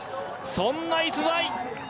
そんな逸材！